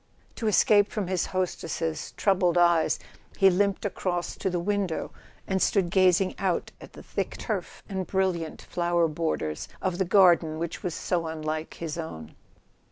To escape from his hostess's troubled eyes he limped across to the window and stood gazing out at the thick turf and brilliant flower borders of the garden which was so unlike his own.